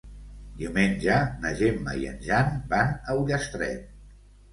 Diumenge na Gemma i en Jan van a Ullastret.